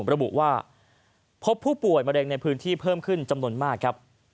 ระบุว่าพบผู้ป่วยมะเร็งในพื้นที่เพิ่มขึ้นจำนวนมากครับ